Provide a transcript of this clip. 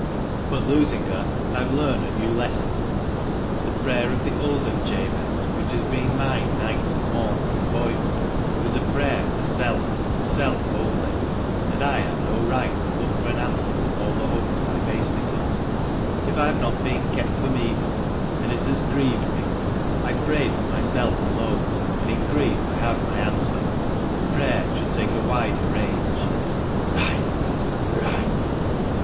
But losing her, I have learned a new lesson. The prayer of the clden Jabez, which has been mine night and morn from boyhood, was a prayer for self, and self only, and I had no right to look for an answer to all the hopes I based upon it. If I have not been 'kept from evil/ and it has 'grieved me,' I prayed for myselt alone, and in grief I have my answer. Prayer should take a wider range." " Right, lad, right